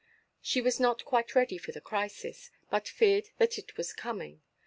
She was not quite ready for the crisis, but feared that it was coming.